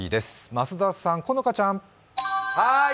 増田さん、好花ちゃん。